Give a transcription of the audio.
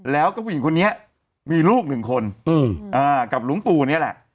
แล้วก็ผู้หญิงคนนี้มีลูกหนึ่งคนกับหลวงปู่นี่แหละ